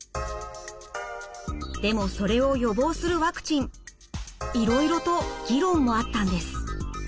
でもそれを予防するワクチンいろいろと議論もあったんです。